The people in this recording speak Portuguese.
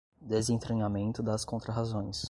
desentranhamento das contrarrazões